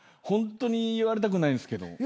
ホントに言われたくないんすけど。